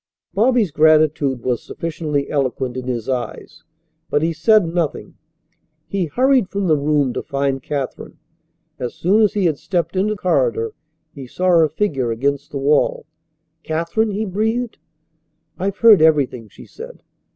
Bobby's gratitude was sufficiently eloquent in his eyes, but he said nothing. He hurried from the room to find Katherine. As soon as he had stepped in the corridor he saw her figure against the wall. "Katherine!" he breathed. "I've heard everything," she said.